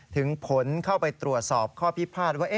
ถึงผลเข้าไปตรวจสอบข้อพิพาทว่า